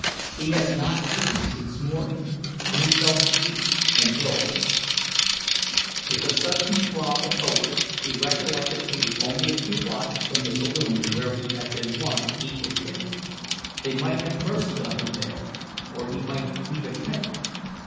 He had not eaten since morning, and he felt weak and ill; with a sudden throb of hope he recollected he was only a few blocks from the saloon where he had been wont to eat his dinner. They might have mercy on him there, or he might meet a friend.